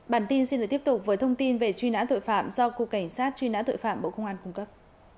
bản tin xin được tiếp tục với thông tin về truy nã tội phạm do cục cảnh sát truy nã tội phạm bộ công an cung cấp